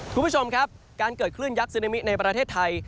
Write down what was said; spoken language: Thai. คุณผู้ชมครับการเกิดคลื่นยักษ์ซึนามิในประเทศไทย